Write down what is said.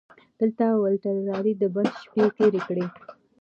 دلته والټر رالي د بند شپې تېرې کړې.